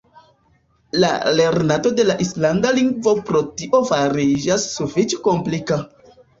La lernado de la islanda lingvo pro tio fariĝas sufiĉe komplika.